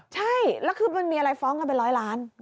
ใช่แล้วคือมันมีอะไรฟ้องกันเป็นร้อยล้าน